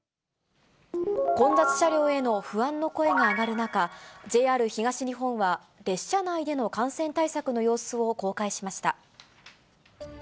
混雑車両への不安の声が上がる中、ＪＲ東日本は列車内での感染対策の様子を公開しました。